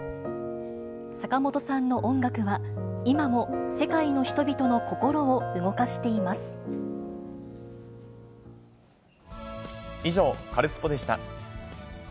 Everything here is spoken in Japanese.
坂本さんの音楽は、今も世界以上、カルスポっ！でした。